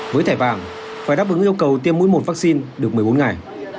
với thẻ vàng phải đáp ứng yêu cầu tiêm mũi một vaccine được một mươi bốn ngày